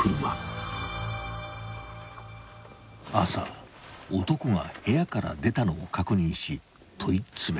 ［朝男が部屋から出たのを確認し問い詰める］